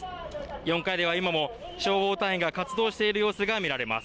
４階では今も消防隊員が活動している様子が見られます。